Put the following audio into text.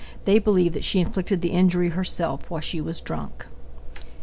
They believe that she inflicted the injury herself while she was drunk.